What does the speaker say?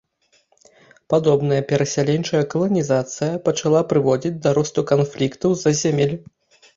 Падобная перасяленчая каланізацыя пачала прыводзіць да росту канфліктаў з-за зямель.